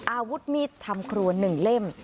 อาวุธมีดทำครัว๑เล่ม